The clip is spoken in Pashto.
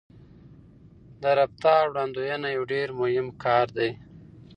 د رفتار وړاندوينه یو ډېر مهم کار دی.